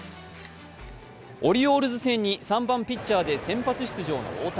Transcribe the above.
オリオールズ戦に３番・ピッチャーで先発出場の大谷。